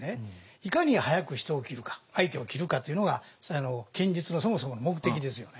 いかに早く人を斬るか相手を斬るかというのが剣術のそもそもの目的ですよね。